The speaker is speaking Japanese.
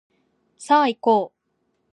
さあいこう